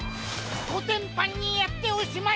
こてんぱんにやっておしまい！